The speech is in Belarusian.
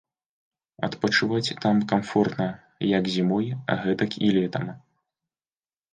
Адпачываць там камфортна, як зімой, гэтак і летам.